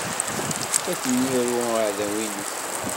Ad ten-iru uɛdaw-ines.